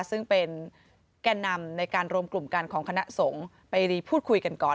ซึ่งเป็นแก่นำในการรวมกลุ่มกันของคณะสงฆ์ไปพูดคุยกันก่อน